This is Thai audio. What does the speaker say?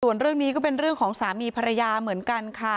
ส่วนเรื่องนี้ก็เป็นเรื่องของสามีภรรยาเหมือนกันค่ะ